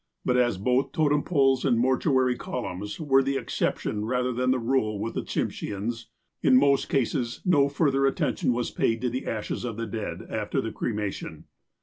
But as both totem poles and mortuary columns were the exception rather than the rule with the Tsim sheans, in most cases no further attention was paid to the ashes of the dead after the cremation.